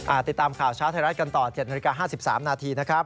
ติดตามข่าวเช้าไทยรัฐกันต่อ๗นาฬิกา๕๓นาทีนะครับ